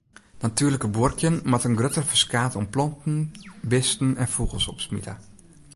Natuerliker buorkjen moat in grutter ferskaat oan planten, bisten en fûgels opsmite.